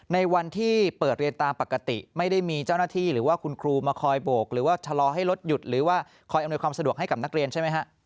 ในวันที่เปิดเรียนตามปกติไม่ได้มีเจ้าหน้าที่หรือว่าคุณครูมาคอยโบกหรือว่าชะลอให้รถหยุดหรือว่าคอยอำนวยความสะดวกให้กับนักเรียนใช่ไหมฮะ